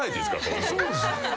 そうです。